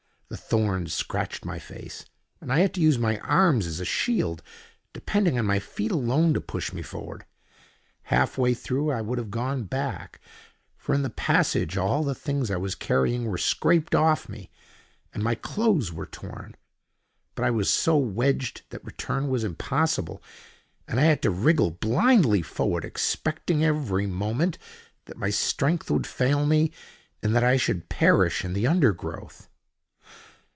The thorns scratched my face, and I had to use my arms as a shield, depending on my feet alone to push me forward. Halfway through I would have gone back, for in the passage all the things I was carrying were scraped off me, and my clothes were torn. But I was so wedged that return was impossible, and I had to wriggle blindly forward, expecting every moment that my strength would fail me, and that I should perish in the undergrowth.